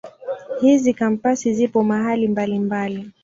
Hizi Kampasi zipo mahali mbalimbali.